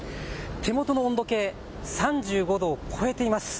手元の温度計、３５度を超えています。